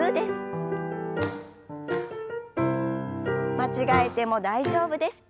間違えても大丈夫です。